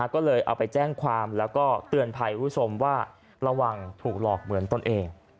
ก็เลยเอาไปแจ้งความแล้วก็เตือนภัยคุณผู้ชมว่าระวังถูกหลอกเหมือนตนเอง